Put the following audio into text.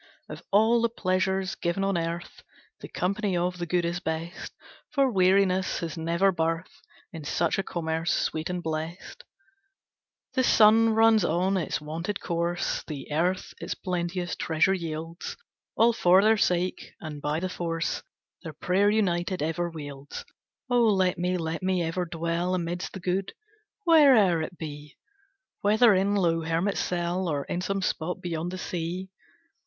"Of all the pleasures given on earth The company of the good is best, For weariness has never birth In such a commerce sweet and blest; The sun runs on its wonted course, The earth its plenteous treasure yields, All for their sake, and by the force Their prayer united ever wields. Oh let me, let me ever dwell Amidst the good, where'er it be, Whether in lowly hermit cell Or in some spot beyond the sea.